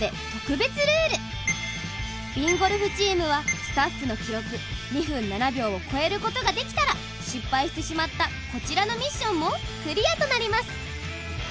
ＢＩＮＧＯＬＦチームはスタッフの記録２分７秒を超えることができたら失敗してしまったこちらのミッションもクリアとなります。